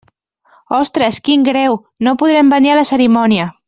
Ostres, quin greu, no podrem venir a la cerimònia.